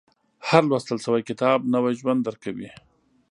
• هر لوستل شوی کتاب، نوی ژوند درکوي.